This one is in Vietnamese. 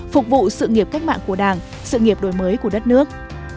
phục vụ sự nghiệp cách mạng của đảng sự nghiệp đổi mới của đất nước